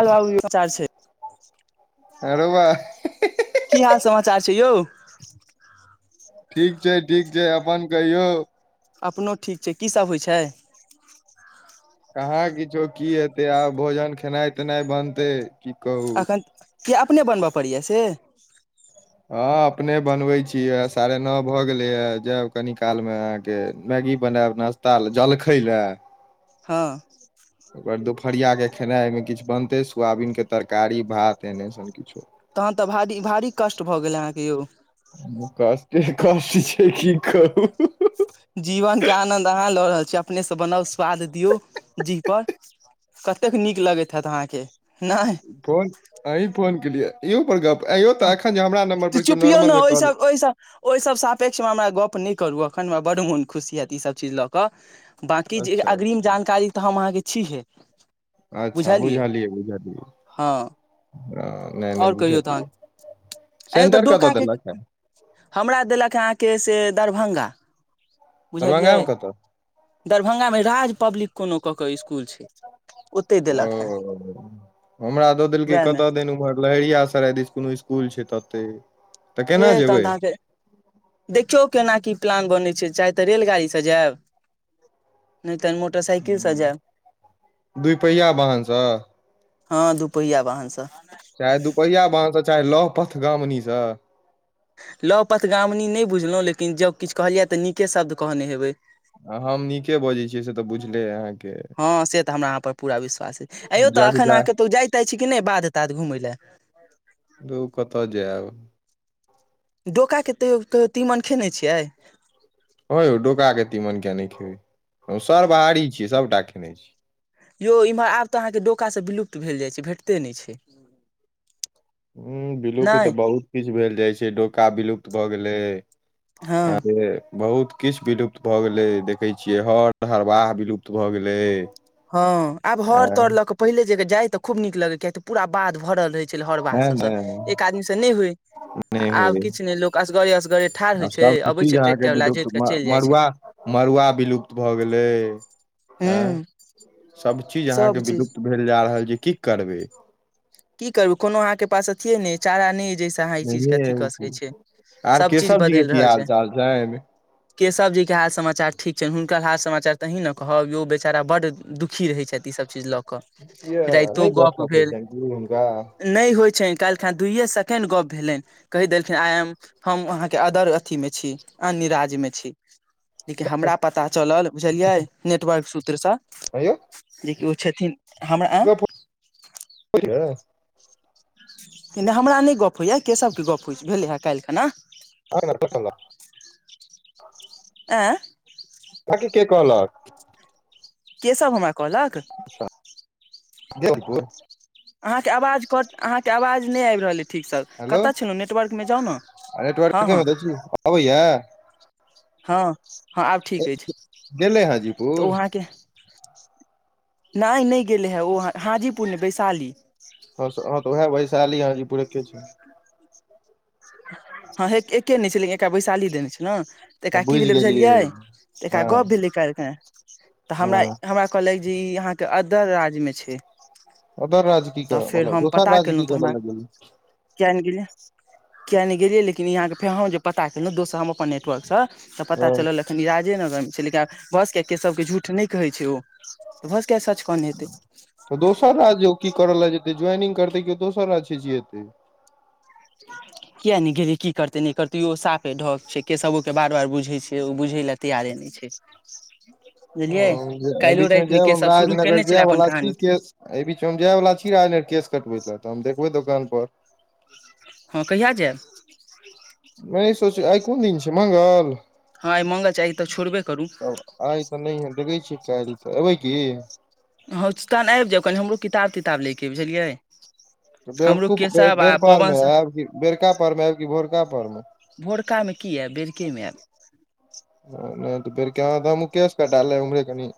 आचार छै आरो बा की हाल समाचार छय यौ ठीक छय ठीक छय अपन कहियौ अपनो ठीक छय की सभ होइत छै कहाँ किछो की हेतै आब भोजन खेनाइ तेनाई बनतै की कहू अखन किये अपने बनबै परै या जे हाँ अपने बनबै छीय यऽ साढ़े नौ भऽ गेलै ये जायब कनी काल में तेँ मैगी बनायब नाश्ता लऽ जलखै ले हाँ ओकर बाद दोपहरिया के खेनाइ ओहि मे किछु बनतै सोयाबीन के तरकारी भात एहन एसन किछो तहन तऽ भारी भारी कष्ट भऽ गेलै अहाँ के यौ कष्टे कष्ट छै की कहु जीवन के आनन्द अहाँ लऽ रहल छीयै अपने से बनाउ स्वाद दियऔ जीह पर कतेक नीक लगैत हैत अहाँ के नय फोन अही फोन केलियै इहोपर गप्प आइयौ तऽ एखन जे हमरा नम्बर तऽ पर केओ चुप यौ नॉर्मल ने में ओहि कॉल सब ओहि सँ ओहि सब सापेक्ष में हमरा गप्प नहि करू एखन हमरा बड़ मौन खुशी होएत ईसभ चीज लऽ कऽ बाँकी जे अच्छा अग्रिम अच्छा जानकारी तऽ हम अहाँके छीहे अच्छा बुझलियै बुझाली यै बुझाली हँ यै नहि नहि आओर कहियौ तहन बुझलियै आंय यौ तऽ सेंटर कतऽ डोका के देलक ह हमरा देलक अहाँके से दरभ्ंगा दरभंगा बुझलियै मे कतऽ दरभंगामे राज पब्लिक कोनो कऽ केऽ इसकुल छै ओते देलक हे ओ हमरा दऽ देलक कत उएहमे दिन उम्हर लहेरिया सराय दिस कोनो स्कूल छै ततै एे तहन त अहाँके देखियौ केना की प्लान बनैत छै चाहे तऽ रेलगाड़ीसँ जायब नहि तन मो दुपहिआ बाहनसँ हँ दुपहिया वाहनसँ चाहे दुूपहिया बान्ध से चाहे लौपथ गामनी सँ लव पथगामिनी नहि बुझलहुँ लेकिन जब किछु कहलियै तऽ नीके शब्द कहने हेबै हम नीके बजैत छियै से तऽ बुझले यै अहाँ के हाँ से तऽ हमरा अहाँ पर पूरा विश्वास अछिइ अयौ तऽ जग एखन अहाँ जाय कतौ जाइतइ छी कि नहि बाध ताध घुमय लए धू कतऽ जायब डोकाके तै तीमन खेने छियै ह यौ डोका के तीमन किया नहि खेबै सर बाहरी छियै सबटा खेने छी यौ इम्हर आब तऽ अहाँके डोकासँ विलुप्त भेल जाइ छै भेटते नहि छै ह विलुप्त तऽ नहि बहुत किछु भेल जाइ छै डोका विलुप्त भए गेलै हँ अरे बहुत किछु विलुप्त भए गेलै देखै छियै हर हरबाह विलुप्त भए गेलै हँ आब आ, हर तर ल के पहिले जे जाय ते खूब नीक लगे किय तऽ पूरा बध भरल रहय छै छल हर बाह तें ने सबसँ एक आदमी से नहि होइ नहि आब होय किछु नहि लोक असगरे असगरे ठाढ़ होइ आब छै सब अबै चीज छै अहाँके ट्रैक्टर वला जोइत विलुप्त कऽ चलि जाइ छै मड़ुआ मड़ुआ विलुप्त भए गेलै एँ हूं सभ चीज अहाँके सब चीज विलुप्त भेल जा रहल छै की करबै की करू कोनो अहाँके पास अथिये नहि चारा नहि जैस त ई चीज के नहिये अथी होय कऽ सकै छै आर सब चीज केशव जी बदलि के की रहल छै हाल चाल छनि केशव जी के हाल समाचार ठीक छनि हुनकर हाल समाचार तहीं ने कहब यौ बेचारा बड दुखी रहै छथि ई सब चीज लऽ कऽ राइतो गप भेल हनका [unintelligible] नहि होइत छनि काल्हि खन दुइए सेकेण्ड गप्प भेलनि कहि देलखिन आइ एम हम अहाँके अदर अथीमे छी अनिराजमे छी लेकिन हमरा पता चलल बुझलियै नेटवर्क सूत्रसँ अयौ जेकि ओ छथिन हमरा ऑ बर [unintelligible] नहि हमरा नहि गप्प होइए केशव के गप्प होइ भेलै हेँ काल्हि खना अहाँके के कहलक आँ बाकी क कहलक केशव हमरा कहलक अच्छा जरपुर अहाँके आवाज कट अहाँके आवाज नहि आबि रहल अइ ठीक स हेलो कतय छलहु नेटवर्कमे जाउ न हँ नेटवर्के हँ मे तऽ छी अबैया हँ हँ आब ठीक अछि गेलै तऽ हाजीपुर वहाँके नहि नहि गेलै हे ओ हाजीपुर नहि वैशाली ह तऽ उएह वैशाली हाजी पुर एके छै हँ एके नहि छै लेकिन एकरा बैशाली देने छै ने तऽ एकरा हँ की बुझि भेलै गेलियै बुझलियै तऽ एकरा हँ गप भेलै कालहि तऽ हमरा हँ हमरा कहलक जे ई अहाँके अदर राज्य मे छै अदर राज्य की तऽ कर फेर परल दोसर राज्य की कर लेगेलिए केन गेल लिय कियाक नहि गेलियै लेकिन यहाँके फेर हम जे पता केलहुँ दोसर हम अपन नेटवर्कसँ तऽ पता हँ चलल कखनि राजेनगरमे छै लेकिन आब भऽसक के सबके झूठ नहि कहै छै ओ तऽ भऽस क सच कन हेतै दोसर राज्य की करय लग जेतै ज्वाइनिंग करतै केओ दोसर राज्य छै जीतै ह [unintelligible] किया नहि गेलै की करते नहि करते साफे ढक छै केसो के बार बार बुझे छै ओ बुझे ला तैयारे ने छै बुझलियै ह काल्हिो बीच मे रातिमे जायब हम केशव शुरू राजनगर केने जाय छलै अपन बला कहानी छी एहि बीच हम जाय वाला छी राजनगर केश कटबै लऽ तऽ हम देखबै दोकान पर हँ कहिय नहि सोच आइ कोन दिन छै मंगल हँ आई मंगल चाही आई तऽ छोड़बे करू तब आइ तऽ नहि है देखै छीयै काल्हि तऽ एबै की हँ तहन आबि जाउ कनि हमरो किताब तिताब लैके बुझलियै हमरो केशव बेकर आ पर पवन मे सँ आयब बेरकापर मे आयब कि भोरकाापर मे भोरकामे की आयब बेरकेमे आयब नहि तऽ फेर क्यता हम केश क [unintelligible] ाले उमरे कनी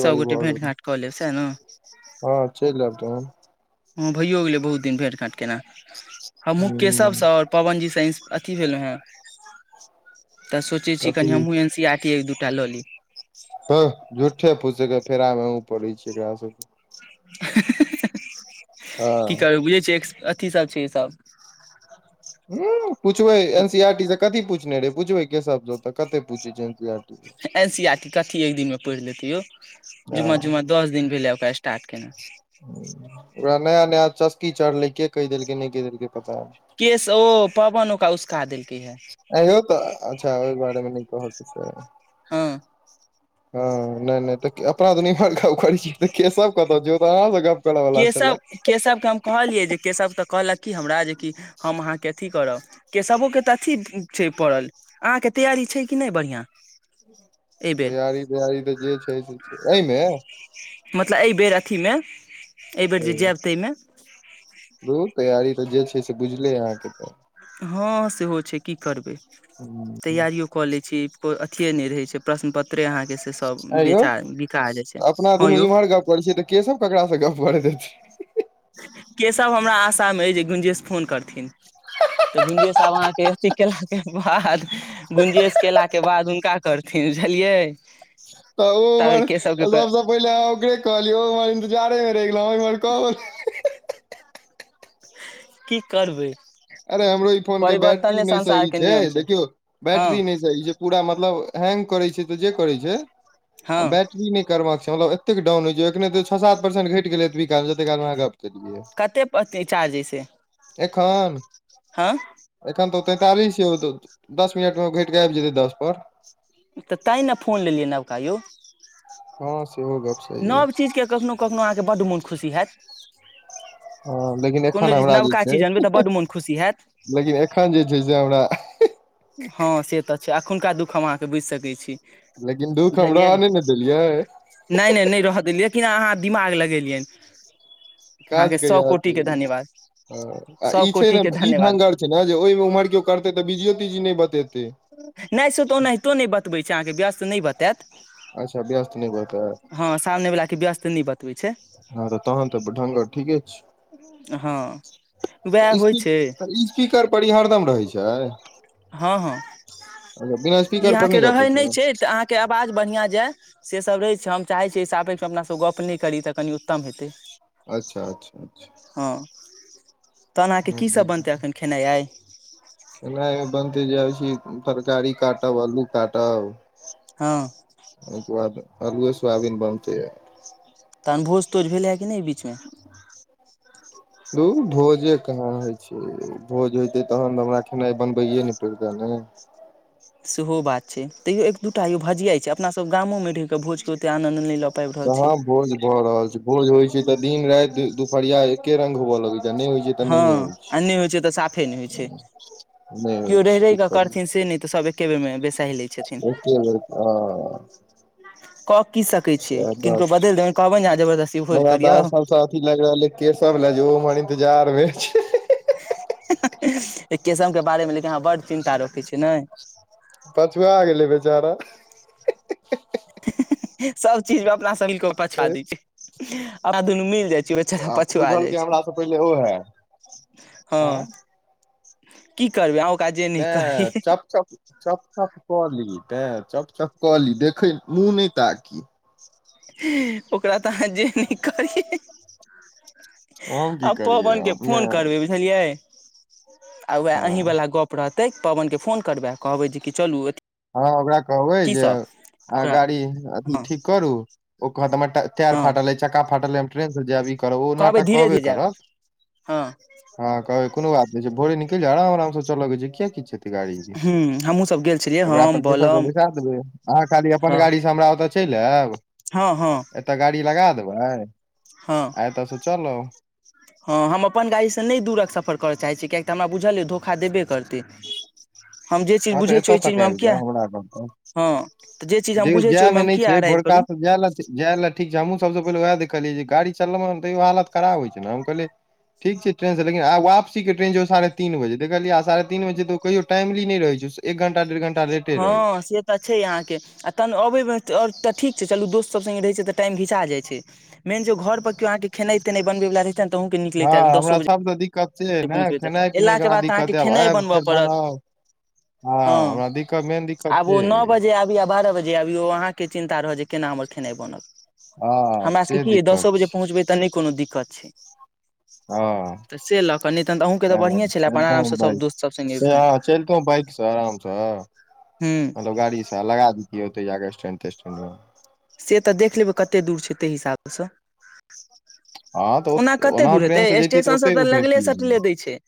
स गोटे भेंट घांट कऽ लेब स ने हँ चेल आब तब हँ भैयो गेलै बहुत दिन भेट घाट केनाइ हमू केशवसँ ह आओर पवन जी अथी भेल हे तऽ सोचे छी कनी कथी हमहुँ एन सी आ एक दूटा ल ह झूठे पूसेके फेरा मे उ पड़ै छी एकरा सब की हँ करू बुझै छियै अथी सब छै ह पूछबै एन सी आर टी से कथि पूछने रहे पुछबै केस ज कते पूछै N C R T [inaudible] N C R T कथी एक दिनमे पढ़ि लेतै यौ हँ जुम्मा जुम्म दश दिन भेलै ओकरा स्टार्ट केना ओकरा नया नया चस्की चढ़लै के कहि देलकै नहि कहि देलकै पता केश ओ पवन ओकरा उसका देलकै यौ तऽ अच्छा ओहि बारेमे न कह कि से हँ हँ नहि नहि तऽ अपना तऽ निमहर गप कर छी के कतसँ गप करऽ वाला छले केशव केशव के हम कहलियै जे केशव केऽ कहलक की हमरा जे कि हम अहाँके अथी करब केशवोके तऽ अथी छै पड़ल अहाँके तैयारी छै कि नहि बढ़िआँ एहिबेर तैयारी तैयारी तऽ जे छै से एहिमे मतलब एहिबेर अथीमे एहिबेर जे सहीमे जायब ताहिमे तैयारी तऽ जे छै से बुझले अहाँके हँ सेहो छै की करबै ह तैयारियो कऽ लै छी कोइ अथिये नहि रहै छै प्रश्न पत्रे अहाँके से सब आंय यौ बेचा बिका जाइ छै अपना हँ दुनू यौ इम्हर गप करै छियै तऽ के सब केकरासँ गप करै रहै केशव हमरा आशामे अछि जे गुंजेश फोन करथिन तऽ गुंजेश वहा के अथी केलाक के बाद गुंजेश केलाके बाद हुनका करथिन बुझलियै तऽ ओ ताबे मर केशवके सबसँ पहिले ओकरे कहलिय ओ बारे मेरे गला [unintelligible] मी मड़को की करबै अरे हमरो ई फोन के बैटरी परिवर्तने नहि संसार सही के छै नियम देखियौ बैटरी हँ नहि सही छै पूरा मतलब हैंग करै छै तऽ जे करै छै आ हँ ब इने करबक छै मतलबत अतै डाउन होय छै अखने छ सात परसंट घट गेले विकास जते अहाँ काल गप केलियै कते पते चार्ज है स एखन हँ एखन तऽ ओ तैंतालिस छै ओ दस मिनट मे घटि कऽ आइब जेतै दस पर [inaudible] तऽ तै ने फोन लेलियै नबका य हँ सेहो गप सहियो अछि कख कखनो अहाँके बड्ड मोन खुशी होयत हं लेकिन एखन हमरा जे छै तऽ बड्ड मोन खुशी हैत लेकिन एखन जे छै से हमरा हँ से तऽ छै अखुनका दुःख हम अहाँके बुइझ सकैत छी लेकिन दुख हमरा बुझलियै आ नहि ने देलियै नहि नहि नहि रहऽ देलियैेकन अहाँ दिमाग लगेलियनि काज अहाँके क सए कोटि के धन्यवाद आ सए ई छै कोटि ने के ई धन्यवाद ढंगर ने जे ओहिमे उम्हर किओ करै तऽ बीजियो तीजी नहि बतेतै नै से तऽ ओनाहितो नहि बतबै छै अहाँ के व्यस्त नहि बतेयत अच्छा ब्यत नै बते हँ सामने वला के व्यस्त न ब होए छै हँ तऽ तहन तऽ ढंगर ठीके छै हं वएह तऽ होइ स्पी छथ तऽ स्पीकर पर हरदम रहै छै हं हँ अच्छा बिना ई स्पीकर अहाँ पर के गप रहै होइ नहि छै तऽ अहाँ के आवाज बढ़िआँ जाय से सब रहै छै हम चाहैत छी एहिस अपै अपना सँ गप्प नहि करी तऽ कनि उत्तम हेतै अच्छा अच्छा अच्छा हं नहि ब केना बनते जाइ छी तरकारी काटब अल्लू काटब हं औ के बाद आलुए सुआबिन बनते तहनभोज तोज भेल यै कि नहि ई बीच मे दूर भोजे कहाँ होइ छै भोज होेतै तहन हमरा खेनाइ बनबैयए ने पड़तै ने सेहो बात छै तैयो एक दूटा यौ भजिया छै अपना सब गामो मे के भोज के ओते आनद नइ लऽ पाबि रहल छी भ रहल भोज होय छै तऽ दिन राइत दुपरीया एके रंग ह होवे लगे छै नहि होइ छै तऽ हँ नहिए होइ आ नहि होइत छै तऽ साफे नहि होइत छै छै नहि केओ होइ रहि छै रहिक की करथिन करियै से नहि तऽ सभ एके बेर में बेसही ल छथिन एके बेर हँ कऽ की सकै छियै सएह बात किनको बदलि देबनि कहबै नेहाँ जबरदस्ती भोज करियौ साथी लग रहल केसब भेल ल जो इन्तजार में छै केशव के बारे में लेकिन अहाँ बड़ चिन्ता रखै छियै ने पछुआ गेलै बेचारा सब चीज मे अपना सबिल पछुआ दै छै आरा दुनू मिल जाय केशव बेचारा आब पछुआ जाइ बुझलकै छै हमरा से पहिले ओ है हँ आँय की करबअहुँ काज क चप च चप चप क ली ते चप चप क ली देखे मुँह नै ताकी ओकरा तऽ अहाँ जे नै करियै [inaudible] हम आ की करियै पवने अपने फोन करबै बुझलियै आ वैह अहीं हँ वला गोप रहत ताहि पवने फोन करबै कहबै जे कि चलू ए हँ ओकरा कहबै जे अहाँ ओकरा गाड़ी अथी हँ ठीक करू ओ कहत हमरा टायर हँ फाटल अै चक्का फाटलै हम ट्रेनसँ जायब ई करब ओ कहबै नाटक धीरे कहबे धीरे जायब करत हँ हँ कहबै कोनो बात नहि छै भोरे निकल जा आराम आराम से चल ग छै किया की छै हु हमहूँ सब गेल छलियै ओकरा हम पर केशब के बलम बेटा देलिये अहाँ खाली अपन हँ गाड़ीसँ हमरा ओतय चलि आयब हँ हँ एतऽ गाड़ी लगा देबै हँ आ एतऽसँ चलब हँ हम अपन गाड़ीसँ नहि दूरक सफर करऽ चाहैत छी कियक तऽ हमरा बझल नहि धोखा देबे करतै हम जे चीज हँ तऽ बुझै छियै एतऽ ओहि चीज तक मे हम आबि किया हँ तऽ जे चीज हम देखियऔ बुझै छियै जाय ओहिमे मे हम नहि किया छै अराइर बोरका करू से जाय ल जाय लए ठीक छै हमहूँ सभ सँ पहिले उएह देखलियै जे गाड़ी चलब मे तैयो हालत खराब होइ छै ने तै हम कहलियै ठीक छै ट्रेन से लेकिन आ वपसी के ट्रन छै साढ़े तीन बेजेय आ साढ़े तीन बजे त कहियो टेमली नहि रहै छै एक घण्टा डेढ़ घण्टा हँ से तऽ छै अहाँके आ तहन अबेमे तऽ ठीक चलू दोस्त सब से रहे छै तऽ टाइम घिचा जाय छै मेन छै घर पर केयो अहाँ के खेई तेनाई बने वाला रहै छै के निकलैतै हँ हमरा दसो बजे सबसँ दिक्कत अइ से ने पहुँचबैत खेनाइ तऽ पिनाइ के अयलाके हमरा बाद तऽ अहाँकेँ दिक्कत अइ, आब खेनाइ आयब बनबय फेर पड़त बनाउ हँ हमरा दिक्कत मेन दिक्कत आब ओ से नओ अइ बजे आब अबैा बारह बजे अबियौ अहाँके चिन्ता रहत जे केना हमर खेनाइ बनते हँ हमरा सबके से की दसो दिक्कत बजे छै पहुँचबै तऽ नहि कोनो दिक्कत छै हँ तऽ से लऽ कऽ नहि तहन तऽ अहूँके तऽ बढ़िएँ छलए अपन आरामसँ सभ दोस्तसभ सङ्गे अबितहुँ चत चलतै बाइक आरामसँ हू मतलब गाड़ी से लगा देति ओते जाके स्टैंड तेस्टैंड मे से तऽ देख लेबै कते दूर छै ताहि हिसाबसँ हँ ओना तऽ कते दुर हैते ट्रेन से जैतियै तऽ स्टेशन से ओते ते ललगे उतरतियै ने सटले दे छै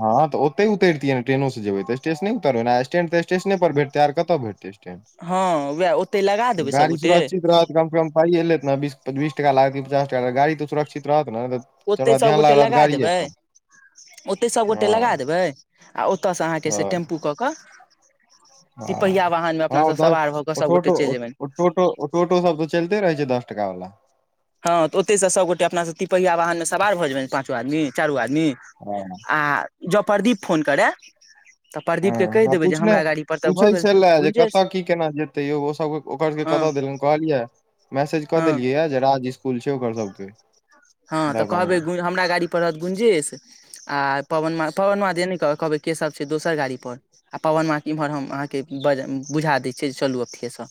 हँ तऽ ओते उतरतियै ने ट्रेनो जेबै त स्टेशने उतरबै ने स्टैंडऽ स्टेशने पर भेटै आ कतऽ भेटतै स्टैंड हँ उएह ओते लगा देबै सभगोटे कमसँ कम पाइए लेत ने बीस बीस टका लागत पचास टका लाग गाड़ी तऽ सक्षित रहत नेऽ चोड़रा ध्यान लागलत गाड़िए पर ओतहि सभ गोटे लगा हँ देबै आ ओतयसँ अहाँके से हँ टेम्पू को कऽ तीन हँ पिपहिया वाहन में हँ अपना ओ सब सवार दस भऽ क ओ सभगोटे टोटो चेल जेबे ओ टोटो टोटो सब तऽ चलते रहय छै दस टका मे हँ तऽ ओते से सबगोे अपना सब तीन पहिआ वाहन मे सबार भ जेबै पाँचो आदमी चारो आदमी हँ आ जब प्रदीप फोन करैय हँ पूछने भऽ पूछै गेल छलए जे गुंजेश कतय की केना जेतै यौ ओसभ ओकर सबके हँ कतय देलनि कहलिये मैसेज कऽ हँ देलियै या जे राज इसकुल छै ओकर सबके हँ तऽ कहबै गु हमरा गाड़ी पर रहत गुंजेश आ पवनमा पवनमा जे नहि कह कहबै के सब छै दोसर गाड़ी पर आ पवनम। इम्हर हम अहाँके ब बुझा दैत छियै जे चलू अथे से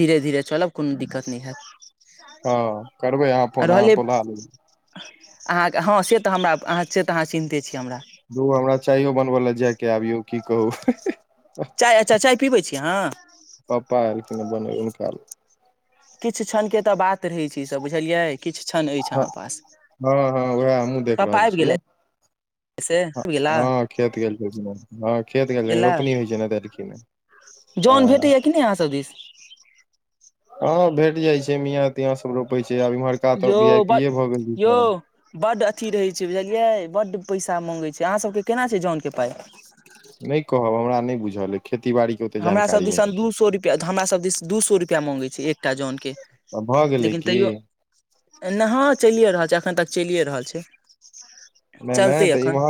धीरे धीरे चलब कोनो दिक्कत नहि हैत हँ करबै अहाँ आ फोन अहाँ रहलै बोला लेब अहाँके हँ से तऽ हमरा अ से तऽ अहाँ चिन्ते छी हमरा घू हमरा चााययो बनबय लए जायके आबियौ की कहू चाय अच्छा चाय पीबै छी अहाँ पपापा एयलखिन बन हुनका किछु क्षणके तऽ बात रहै छै से बुझलियै किछु क्षण अछि हँ अहाँ पास हँ हँ उएह हमहुँ देख रहल पापा आबि छियै गेलथि से आबि गेला हँ खेत गेल हँ खेत गेलिय रोपनी होइत छै ने देलखीमे जन भेटैया कि नहि अस दिस हँ भेट जाइत छै मियाँ तियासभ रोपैत छै आब इम्हरका तऽ वी यौ आइ बड पी ए भऽ यौ गेलस बड्ड अथी रहैत छै बुझलियै बड पैसा मगैत छै अहाँसबके केना छै जनके पाइ नै कहब हमरा नहि बुझल अ खेती बाड़ी हमरा सब दिसन दू सए रुपआ हमरा सब दिस दू सए रुपआ माँंगै छै एकटा जन के अइ भऽ गेलै लेकिन की तैयो नै हँ चलिए रहल छै अखन तक चलिए रहल छै नै नै चलतै तऽ ई एखन मह